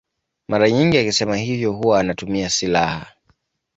Mara nyingi akisema hivyo huwa anatumia silaha.